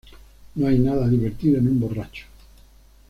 No hay nada divertido en un borracho.